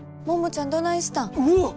桃ちゃんどないしたん？